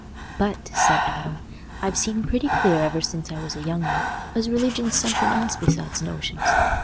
"But," said Adam, "I've seen pretty clear, ever since I was a young un, as religion's something else besides notions.